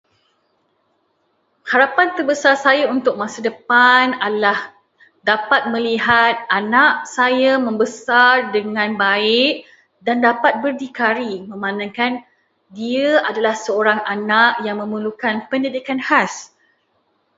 Harapan terbesar saya untuk masa depan adalah dapat melihat anak saya membesar dengan baik dan dapat berdikari, memandangkan dia adalah seorang anak yang memerlukan pendidikan khas.